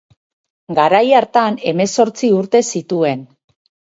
Garai hartan hemezortzi urte zituen.